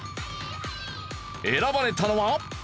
選ばれたのは。